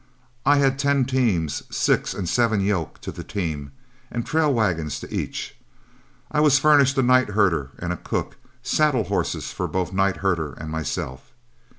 I had ten teams, six and seven yoke to the team, and trail wagons to each. I was furnished a night herder and a cook, saddle horses for both night herder and myself.